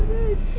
ida lelah gue